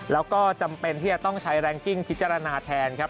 แล้วก็จำเป็นที่จะต้องใช้แรงกิ้งพิจารณาแทนครับ